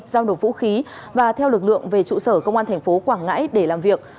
giao đồ vũ khí và theo lực lượng về trụ sở công an tp quảng ngãi để làm việc